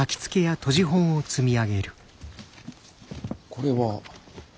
これは。